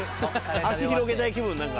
足広げたい気分何か。